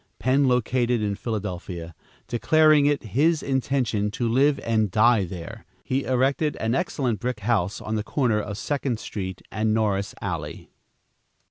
Penn located in Philadelphia, declaring it his intention to live and die there. He erected an excellent brick house on the corner of Second Street and Norris Alley.